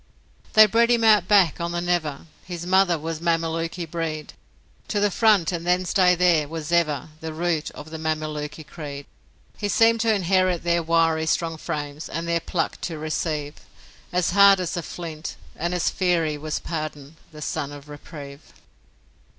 They bred him out back on the 'Never', His mother was Mameluke breed. To the front and then stay there was ever The root of the Mameluke creed. He seemed to inherit their wiry Strong frames and their pluck to receive As hard as a flint and as fiery Was Pardon, the son of Reprieve.